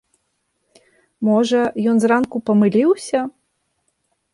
Можа, ён зранку памыліўся?